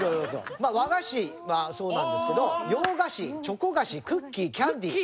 まあ和菓子はそうなんですけど洋菓子チョコ菓子クッキーキャンディーアイス。